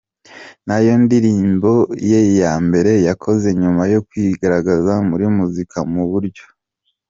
nayo ndirimbo ye ya mbere yakoze nyuma yo kwigaragaza muri muzika mu buryo.